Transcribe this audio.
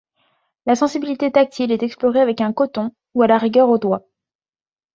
La sensibilité tactile est explorée avec un coton, ou à la rigueur au doigt.